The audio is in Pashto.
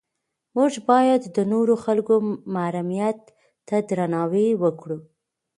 موږ باید د نورو خلکو محرمیت ته درناوی وکړو.